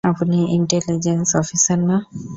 আপনি intelligence officer না?